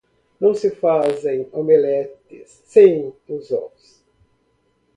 Não se fazem omeletes sem ovos.